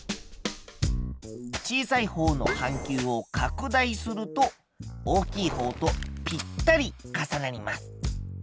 小さいほうの半球を拡大すると大きいほうとぴったり重なります。